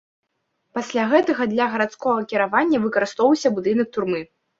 Пасля гэтага для гарадскога кіравання выкарыстоўваўся будынак турмы.